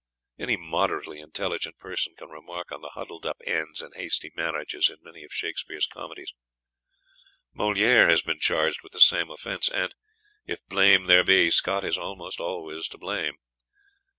Any moderately intelligent person can remark on the huddled up ends and hasty marriages in many of Shakspeare's comedies; Moliere has been charged with the same offence; and, if blame there be, Scott is almost always to blame.